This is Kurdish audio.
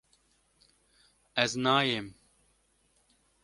Ez nayêm